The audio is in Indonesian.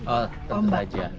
oh tentu saja